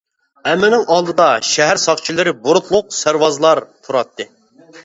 ھەممىنىڭ ئالدىدا شەھەر ساقچىلىرى بۇرۇتلۇق سەرۋازلار تۇراتتى.